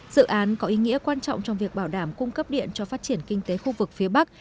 dự án có ý nghĩa quan trọng trong việc bảo đảm cung cấp điện cho phát triển kinh tế khu vực phía bắc